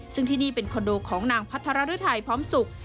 ซึ่งที่นี่เป็นคอนโดของนางพัทรฤทัยพร้อมสุข